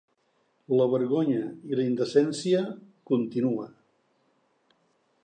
La vergonya i la indecència continua.